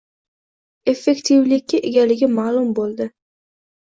– effektivlikka egaligi ma’lum bo‘ldi.